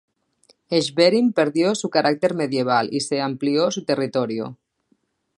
Schwerin perdió su carácter medieval, y se amplió su territorio.